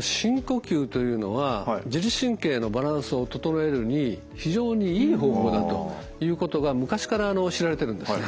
深呼吸というのは自律神経のバランスを整えるのに非常にいい方法だということが昔から知られてるんですね。